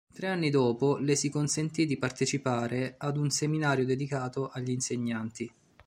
Tre anni dopo le si consentì di partecipare ad un seminario dedicato agli insegnanti.